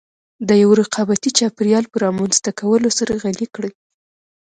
د يوه رقابتي چاپېريال په رامنځته کولو سره غني کړې.